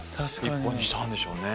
一本にしたんでしょうね。